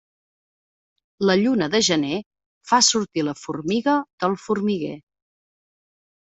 La lluna de gener fa sortir la formiga del formiguer.